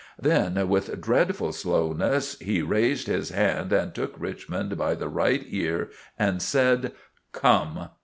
Then, with dreadful slowness, he raised his hand and took Richmond by the right ear and said— "Come!"